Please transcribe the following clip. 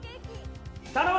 頼む！